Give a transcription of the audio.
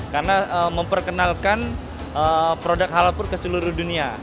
karena memperkenalkan produk halal put ke seluruh dunia